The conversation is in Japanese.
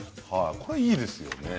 これ、いいですよね。